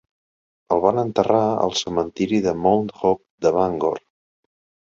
El van enterrar al cementiri de Mount Hope de Bangor.